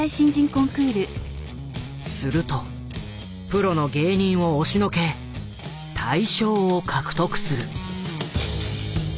するとプロの芸人を押しのけ大賞を獲得する。